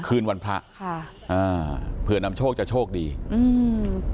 คืนวันพระค่ะอ่าเผื่อนำโชคจะโชคดีอืม